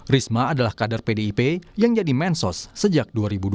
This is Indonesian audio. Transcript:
risma adalah kader pdip yang jadi mensos sejak dua ribu dua belas